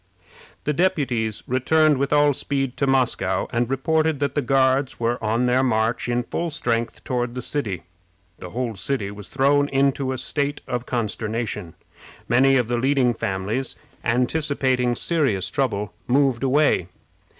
The deputies returned with all speed to Moscow, and reported that the Guards were on their march in full strength toward the city. The whole city was thrown into a state of consternation. Many of the leading families, anticipating serious trouble, moved away.